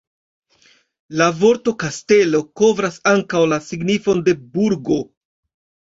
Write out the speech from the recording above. La vorto "kastelo" kovras ankaŭ la signifon de "burgo".